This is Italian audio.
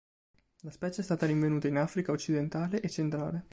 La specie è stata rinvenuta in Africa occidentale e centrale.